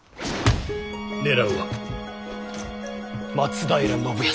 狙うは松平信康！